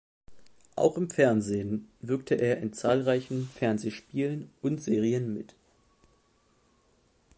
Auch im Fernsehen wirkte er in zahlreichen Fernsehspielen und -serien mit.